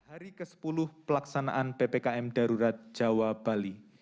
hari ke sepuluh pelaksanaan ppkm darurat jawa bali